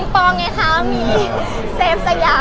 ผิงปองไงค่ะมีเศฟสยา